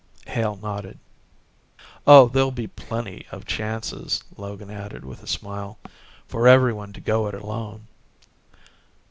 Hale nodded. "Oh, there'll be plenty of chances," Logan added with a smile, "for everyone to go it alone."